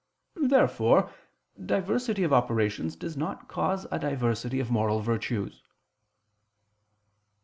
Therefore diversity of operations does not cause a diversity of moral virtues.